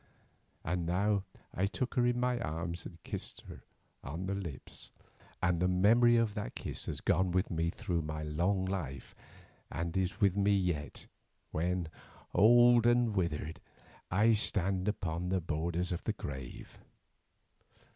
And now I took her in my arms and kissed her on the lips, and the memory of that kiss has gone with me through my long life, and is with me yet, when, old and withered, I stand upon the borders of the grave.